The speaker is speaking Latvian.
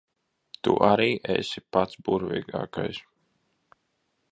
Tu arī esi pats burvīgākais.